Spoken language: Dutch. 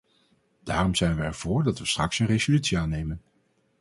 Daarom zijn wij ervoor dat we straks een resolutie aannemen.